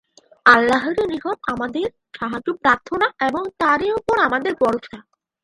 আল্লাহরই নিকট আমাদের সাহায্য প্রার্থনা এবং তাঁরই উপর আমাদের ভরসা।